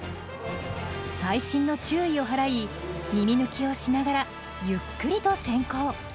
細心の注意を払い耳抜きをしながらゆっくりと潜行。